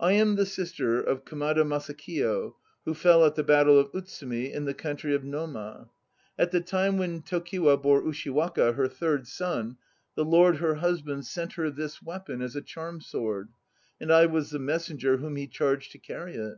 I am the sister of Kamada Masakiyo who fell at the Battle of Utsumi in the country of Noma. At the time when Tokiwa bore Ushiwaka, her third son, the lord her husband sent her this weapon as a charm sword, and I was the messenger whom he charged to carry it.